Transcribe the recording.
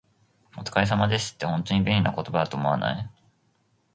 「お疲れ様です」って、本当に便利な言葉だと思わない？